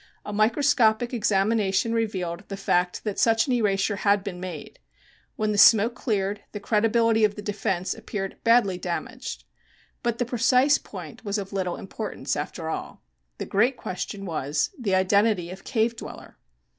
A microscopic examination revealed the fact that such an erasure had been made. When the smoke cleared the credibility of the defense appeared badly damaged. But the precise point was of little importance, after all. The great question was: the identity of 'CAVE DWELLER.'